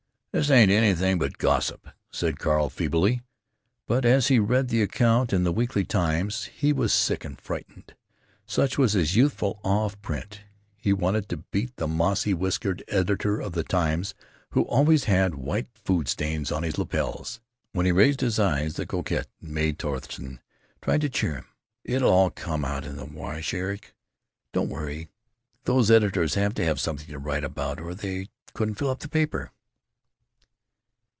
"This ain't anything but gossip," said Carl, feebly; but as he read the account in the Weekly Times he was sick and frightened, such was his youthful awe of print. He wanted to beat the mossy whiskered editor of the Times, who always had white food stains on his lapels. When he raised his eyes the coquette Mae Thurston tried to cheer him: "It 'll all come out in the wash, Eric; don't worry. These editors have to have something to write about or they couldn't fill up the paper."